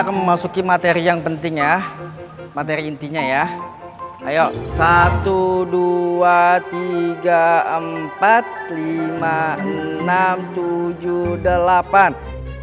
kadang berb initiatives untuk